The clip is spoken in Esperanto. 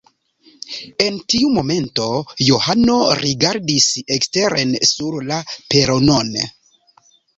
En tiu momento Johano rigardis eksteren sur la peronon.